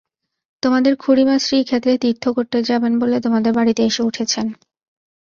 তোমাদের খুড়িমা শ্রীক্ষেত্রে তীর্থ করতে যাবেন বলে তোমাদের বাড়িতে এসে উঠেছেন।